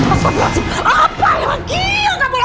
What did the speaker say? apa yang aku lakukan